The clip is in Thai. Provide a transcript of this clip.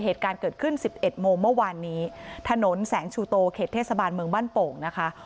เหตุการณ์เกิดขึ้นสิบเอ็ดโมงเมื่อวานนี้ถนนแสงชูโตเขตเทศบาลเมืองบ้านโป่งนะคะ